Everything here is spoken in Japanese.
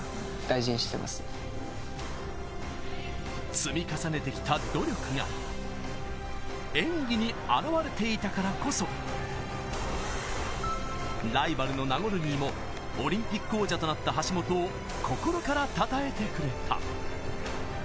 積み重ねてきた努力が演技に表れていたからこそ、ライバルのナゴルニーもオリンピック王者となった橋本を心からたたえてくれた。